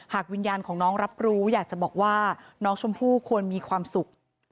วิญญาณของน้องรับรู้อยากจะบอกว่าน้องชมพู่ควรมีความสุข